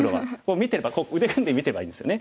見てれば腕組んで見てればいいんですよね。